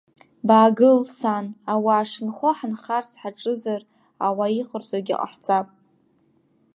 Баагыл, сан, ауаа шынхо ҳанхарц ҳаҿызар, ауаа иҟарҵогьы ҟаҳҵап!